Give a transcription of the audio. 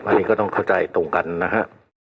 อันนี้ก็ต้องเข้าใจตรงกันนะฮะ